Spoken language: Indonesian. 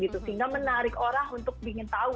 sehingga menarik orang untuk ingin tahu